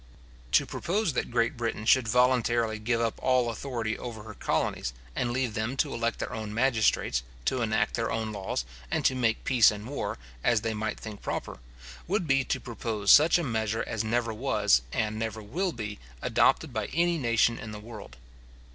To propose that Great Britain should voluntarily give up all authority over her colonies, and leave them to elect their own magistrates, to enact their own laws, and to make peace and war, as they might think proper, would be to propose such a measure as never was, and never will be, adopted by any nation in the world.